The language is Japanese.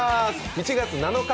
７月７日